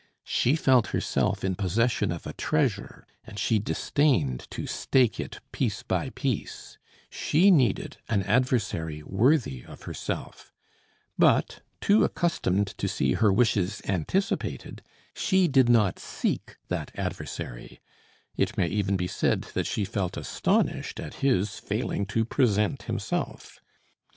She felt herself in possession of a treasure, and she disdained to stake it piece by piece; she needed an adversary worthy of herself; but, too accustomed to see her wishes anticipated, she did not seek that adversary; it may even be said that she felt astonished at his failing to present himself.